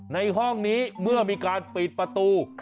ในห้องนี้เมื่อมีการปิดประตู